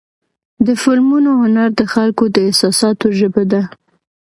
د فلمونو هنر د خلکو د احساساتو ژبه ده.